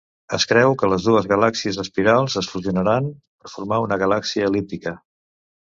Es creu que les dues galàxies espirals es fusionaran per formar una galàxia el·líptica.